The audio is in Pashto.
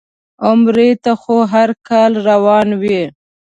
عمرې ته خو هر کال روان وي.